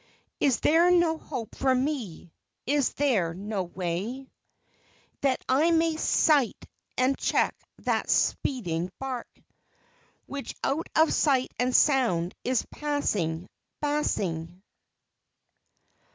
Is there no hope for me? Is there no way That I may sight and check that speeding bark Which out of sight and sound is passing, passing?